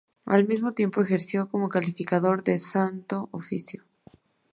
Al mismo tiempo ejerció como Calificador del Santo Oficio.